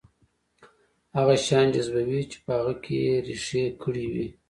هغه شيان جذبوي چې په هغه کې يې رېښې کړې وي.